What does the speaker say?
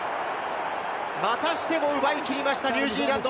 またしても奪い切りました、ニュージーランド！